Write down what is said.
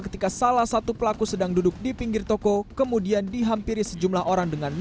ketika salah satu pelaku sedang duduk di pinggir toko kemudian dihampiri sejumlah orang dengan